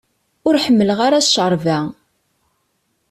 Ur ḥemmleɣ ara ccerba.